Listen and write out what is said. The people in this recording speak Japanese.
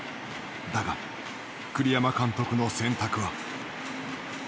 だが栗山監督の選択は。